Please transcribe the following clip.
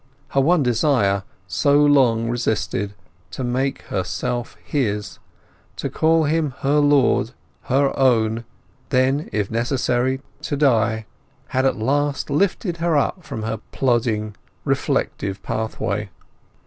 Her one desire, so long resisted, to make herself his, to call him her lord, her own—then, if necessary, to die—had at last lifted her up from her plodding reflective pathway.